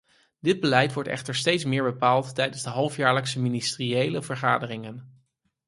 Dit beleid wordt echter steeds meer bepaald tijdens de halfjaarlijkse ministeriële vergaderingen.